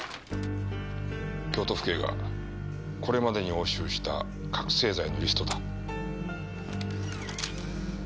京都府警がこれまでに押収した覚せい剤のリストだ。